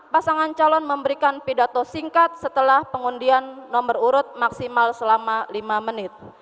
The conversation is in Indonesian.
pasangan calon memberikan pidato singkat setelah pengundian nomor urut maksimal selama lima menit